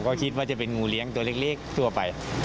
ก็คิดว่าจะเป็นงูเลี้ยงตัวเล็กทั่วไป